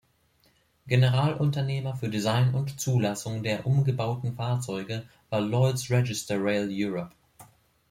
Generalunternehmer für Design und Zulassung der umgebauten Fahrzeuge war Lloyd's Register Rail Europe.